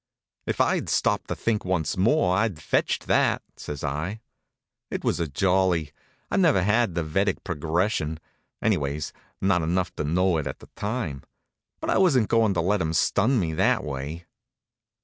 "If I'd stopped to think once more, I'd fetched that," says I. It was a jolly. I've never had the Vedic progression anyways, not had enough to know it at the time but I wasn't goin' to let him stun me that way.